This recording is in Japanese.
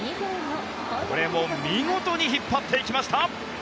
これも見事に引っ張っていきました。